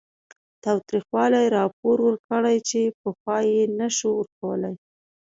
تاوتریخوالي راپور ورکړي چې پخوا یې نه شو ورکولی